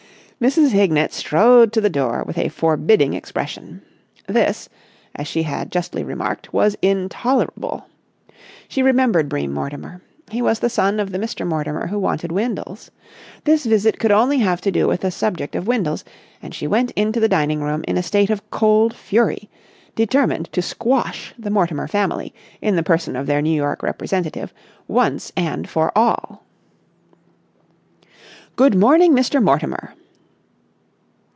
Mrs. Hignett strode to the door with a forbidding expression. This, as she had justly remarked, was intolerable. She remembered Bream Mortimer. He was the son of the Mr. Mortimer who wanted Windles. This visit could only have to do with the subject of Windles, and she went into the dining room in a state of cold fury, determined to squash the Mortimer family, in the person of their New York representative, once and for all. "Good morning, Mr. Mortimer."